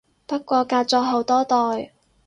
不過隔咗好多代